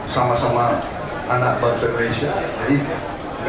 sama sama anak bangsa indonesia